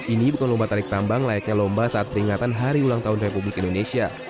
ini bukan lomba tarik tambang layaknya lomba saat peringatan hari ulang tahun republik indonesia